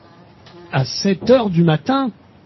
À sept heures du matin !